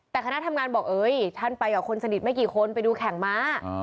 แต่คณะทำงานบอกเอ้ยท่านไปกับคนสนิทไม่กี่คนไปดูแข่งม้า